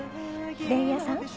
伝弥さん